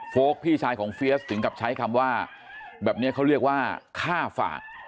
พี่ชายของเฟียสถึงกับใช้คำว่าแบบนี้เขาเรียกว่าค่าฝาก